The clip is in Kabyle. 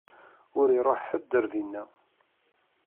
Ur iṛuḥ ḥedd ar dina.